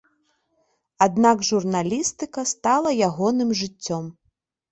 Аднак журналістыка стала ягоным жыццём.